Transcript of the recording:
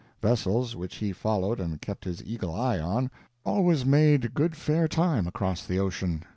Vessels which he followed and kept his eagle eye on, always made good fair time across the ocean.